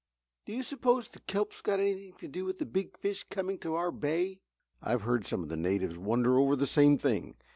"Do you s'pose the kelp has anything to do with the big fish coming to our bay?" "I've heard some of the natives wonder over the same thing.